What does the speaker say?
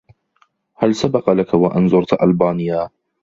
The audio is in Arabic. هل سبق لك و أن زرت ألبانيا؟